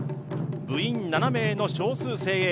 部員７名の少数精鋭。